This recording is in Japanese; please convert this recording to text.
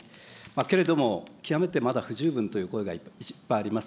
けれども、極めてまだ不十分という声がいっぱいあります。